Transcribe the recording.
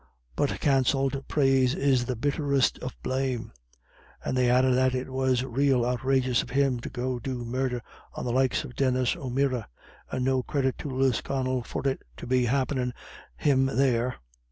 But cancelled praise is the bitterest of blame; and they added that "it was rael outrageous of him to go do murdher on the likes of Denis O'Meara, and no credit to Lisconnel for it to be happenin' him there.